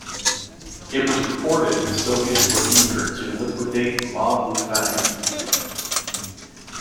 It was reported the Soviets were eager to "liquidate" Ma Bufang.